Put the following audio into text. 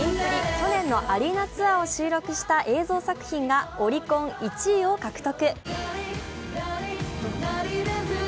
去年のアリーナツアーを収録した映像作品がオリコン１位を獲得。